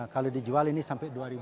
kalau dijual ini sampai